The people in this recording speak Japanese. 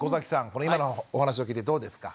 これ今のお話を聞いてどうですか？